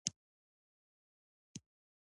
د ټولنې بدلون له تعلیم پیلېږي.